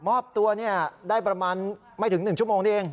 มอบตัวได้ประมาณไม่ถึง๑ชั่วโมงนี้เอง